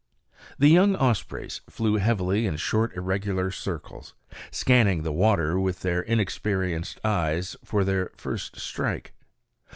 The young ospreys flew heavily in short irregular circles, scanning the water with their inexperienced eyes for their first strike.